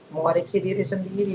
mengariksi diri sendiri